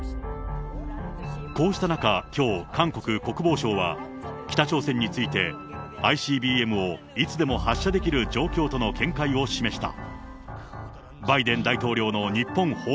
こうした中、きょう、韓国国防省は、北朝鮮について、ＩＣＢＭをいつでも発射できる状況との見解を示した。